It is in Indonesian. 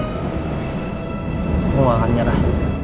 kamu gak akan nyerah